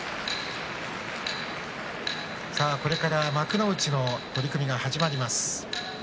これから幕内の取組が始まります。